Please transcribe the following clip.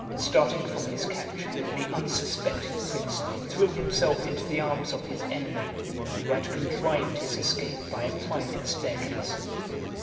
Starting from his couch, the unsuspecting prince threw himself into the arms of his enemy, who had contrived his escape by a private staircase.